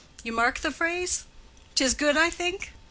You mark the phrase? 'Tis good, I think?